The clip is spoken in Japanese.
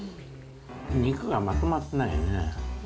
肉がまとまってないよね。